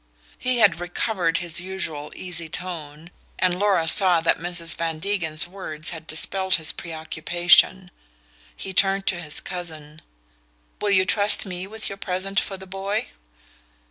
He had recovered his usual easy tone, and Laura sat that Mrs. Van Degen's words had dispelled his preoccupation. He turned to his cousin. "Will you trust me with your present for the boy?"